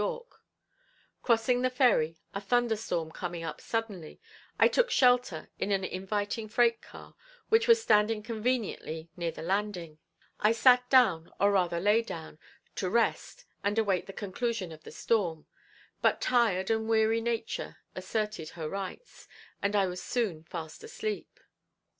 Y. Crossing the ferry, a thunder storm coming up suddenly, I took shelter in an inviting freight car, which was standing conveniently near the landing. I sat down, or rather lay down, to rest and await the conclusion of the storm, but tired and weary nature asserted her rights, and I was soon fast asleep.